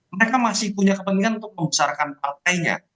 mereka masih punya kepentingan untuk membesarkan partainya